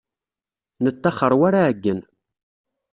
Nettaxer war aɛeyyen.